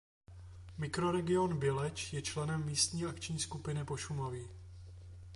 Mikroregion Běleč je členem Místní akční skupiny Pošumaví.